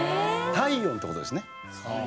体温って事ですね。